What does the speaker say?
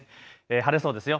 晴れそうですよ。